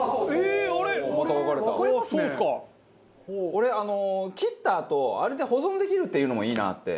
俺あの切ったあとあれで保存できるっていうのもいいなって。